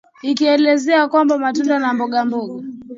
akielezea kwamba matunda na mbogamboga